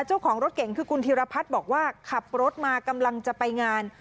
เจ้าของรถเก่งคือคุณธีรพัฒน์บอกว่าขับรถมากำลังจะไปงาน